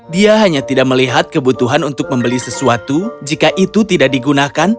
dia hanya tidak melihat kebutuhan untuk membeli sesuatu jika itu tidak digunakan